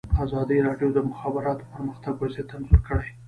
ازادي راډیو د د مخابراتو پرمختګ وضعیت انځور کړی.